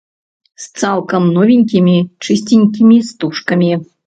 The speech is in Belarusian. З цалкам новенькімі, чысценькімі стужкамі.